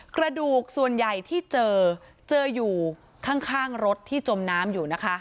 กระดูกส่วนใหญ่ที่เจอเจออยู่ข้างรถที่จมน้ำอยู่นะคะ